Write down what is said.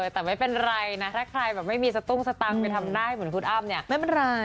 แต่ไม่เป็นไรนะถ้าใครไม่มีสตุ้งสตังไปทำได้เหมือนคุณอ้ำเนี่ย